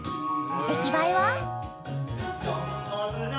出来栄えは？